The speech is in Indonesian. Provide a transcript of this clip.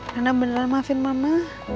nana beneran maafin mama